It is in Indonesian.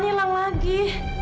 jadi bujang untuk mungkin